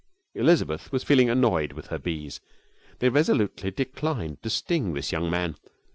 Elizabeth was feeling annoyed with her bees. They resolutely declined to sting this young man.